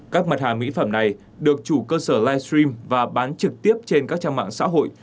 các mặt hàng mỹ phẩm này được chủ cơ sở livestream và bán trực tiếp trên các trang mạng xã hội